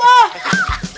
ya allah apa